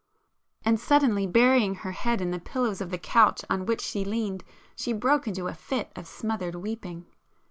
And suddenly, burying her head in the pillows of the couch on which she leaned, she broke into a fit of smothered weeping.